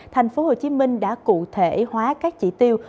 thành phố hồ chí minh đã cụ thể hóa các chỉ tiêu